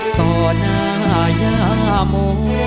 ต่อหน้ายาโม